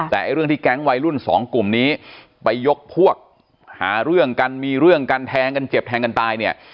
แต่เรื่องที่แก๊งวัยรุ่นสองกลุ่มนี้ไปยกพวกหาเรื่องกันมีเรื่องกันแทงกันเจ็บแทงกันตายเนี่ย